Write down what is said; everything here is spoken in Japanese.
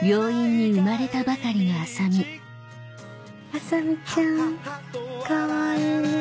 麻美ちゃんかわいいね。